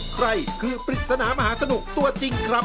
ใครคือปริศนามหาสนุกตัวจริงครับ